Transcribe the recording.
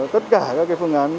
tất cả các phương án